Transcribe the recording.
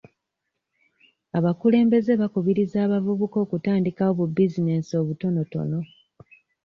Abakulembeze bakubiriza abavubuka okutandikawo bubizinensi obutonotono.